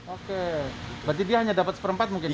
oke berarti dia hanya dapat satu empat mungkin ya